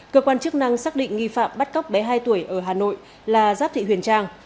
cơ quan chức năng xác định nghi phạm bắt cóc bé hai tuổi ở hà nội là giáp thị huyền trang